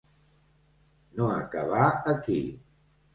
No acabar aquí.